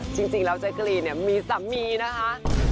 จริงแล้วเจ๊กรีนเนี่ยมีสามีนะคะ